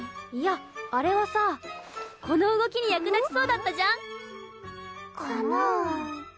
いやあれはさぁこの動きに役立ちそうだったじゃん。かなぁ？